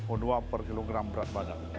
o dua per kilogram berat badan